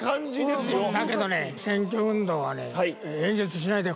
だけどね選挙運動はね。